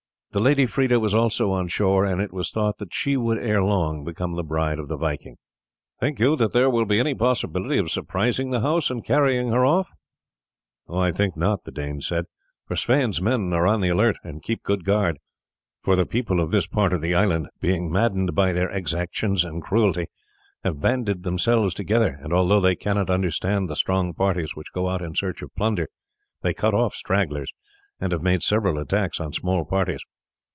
The lady Freda was also on shore, and it was thought that she would ere long become the bride of the Viking. "Think you that there will be any possibility of surprising the house and carrying her off?" "I think not," the Dane said, "for Sweyn's men are on the alert, and keep good guard, for the people of this part of the island, being maddened by their exactions and cruelty, have banded themselves together; and although they cannot withstand the strong parties which go out in search of plunder they cut off stragglers, and have made several attacks on small parties.